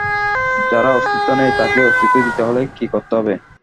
যার অস্তিত্ব নেই তাকে অস্তিত্ব দিতে হলে কি করতে হবে?